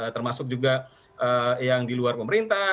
termasuk juga yang di luar pemerintah